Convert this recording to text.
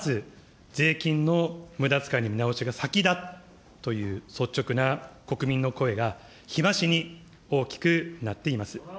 防衛増税の話の前に、まず、税金のむだづかいの見直しが先だという率直な国民の声が日増しに大きくなっています。